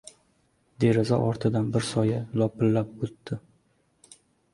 Deraza ortidan bir soya lopillab o‘tdi.